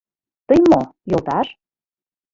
— Тый мо, йолташ?!